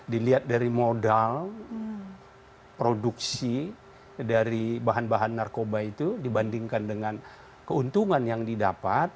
dilihat dari modal produksi dari bahan bahan narkoba itu dibandingkan dengan keuntungan yang didapat